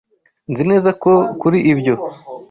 Nzi neza ko kuri ibyo